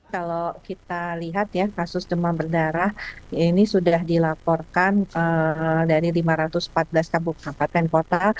kalau kita lihat ya kasus demam berdarah ini sudah dilaporkan dari lima ratus empat belas kabupaten kota